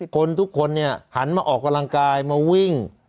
คนทุกคนเนี่ยหันมาออกกำลังกายมาวิ่ง